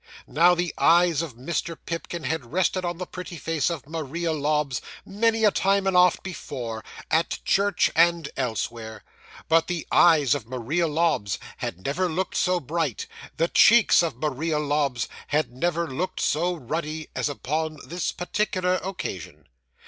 Now, the eyes of Mr. Pipkin had rested on the pretty face of Maria Lobbs many a time and oft before, at church and elsewhere; but the eyes of Maria Lobbs had never looked so bright, the cheeks of Maria Lobbs had never looked so ruddy, as upon this particular occasion.